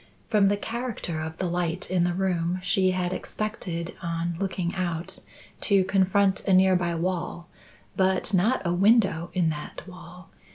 From the character of the light in the room, she had expected, on looking out, to confront a near by wall, but not a window in that wall.